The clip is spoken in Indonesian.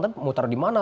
tapi muter dimana